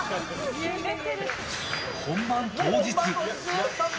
本番当日。